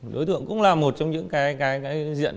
đối tượng cũng là một trong những cái diện